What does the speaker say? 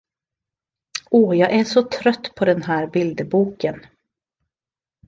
Åh, jag är så trött på den här bilderboken.